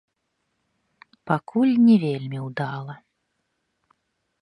Пакуль не вельмі ўдала.